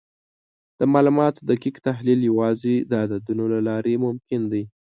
د معلوماتو دقیق تحلیل یوازې د عددونو له لارې ممکن دی.